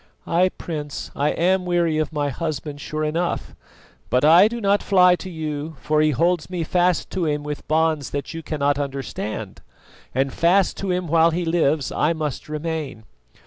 "Ay, Prince, I am weary of my husband sure enough; but I do not fly to you, for he holds me fast to him with bonds that you cannot understand, and fast to him while he lives I must remain."